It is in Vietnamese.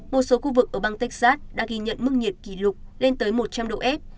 một số khu vực ở bang texas đã ghi nhận mức nhiệt kỷ lục lên tới một trăm linh độ f